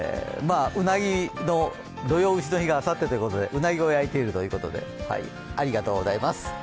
土用の丑の日があさってということでうなぎを焼いているということで、ありがとうございます。